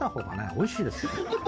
おいしいですよ。